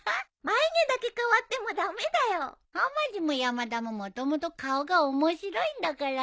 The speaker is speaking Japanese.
眉毛だけ変わっても駄目だよ。はまじも山田ももともと顔が面白いんだから。